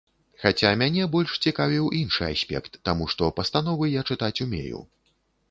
Хаця мяне больш цікавіў іншы аспект, таму што пастановы я чытаць умею.